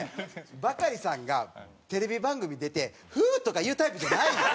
バカリさんがテレビ番組出てフウー！とか言うタイプじゃないのよ。